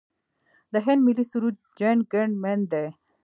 د هند ملي سرود جن ګن من دی.